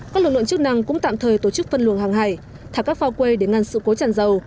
các lực lượng chức năng cũng tạm thời tổ chức phân luồng hàng hải thả các phao quây để ngăn sự cố tràn dầu